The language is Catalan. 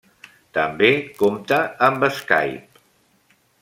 També compta amb Skype.